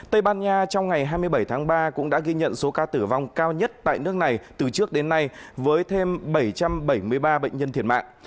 tây ban nha trong ngày hai mươi bảy tháng ba cũng đã ghi nhận số ca tử vong cao nhất tại nước này từ trước đến nay với thêm bảy trăm bảy mươi ba bệnh nhân thiệt mạng